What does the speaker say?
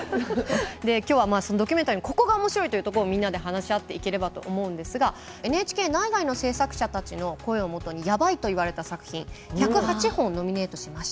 で今日はそのドキュメンタリーのここが面白いというところをみんなで話し合っていければと思うんですがＮＨＫ内外の制作者たちの声をもとにヤバいと言われた作品１０８本をノミネートしました。